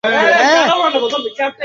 নর্তকীরা মূর্তির মত দাড়িয়ে যায়।